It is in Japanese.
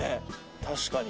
確かに。